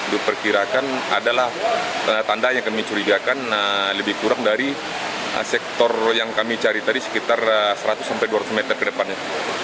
diperkirakan adalah tanda yang kami curigakan lebih kurang dari sektor yang kami cari tadi sekitar seratus sampai dua ratus meter ke depannya